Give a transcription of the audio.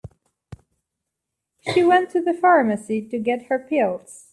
She went to the pharmacy to get her pills.